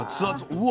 うわ！